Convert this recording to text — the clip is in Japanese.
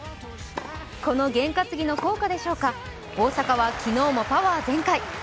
この減担ぎの効果でしょうか、大坂は昨日もパワー全開。